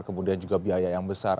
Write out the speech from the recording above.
kemudian juga biaya yang besar